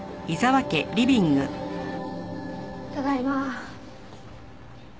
ただいま。